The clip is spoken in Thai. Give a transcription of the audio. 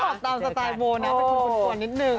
ตอบตามสไตล์โบ้นนะมันคุณส่วนนิดหนึ่ง